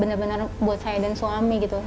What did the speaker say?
benar benar buat saya dan suami gitu